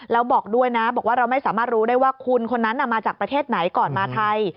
แล้วบอกด้วยนะบอกว่าเราไม่สามารถรู้ได้ว่าคุณคนนั้นมาจากประเทศไหนก่อนมาไทย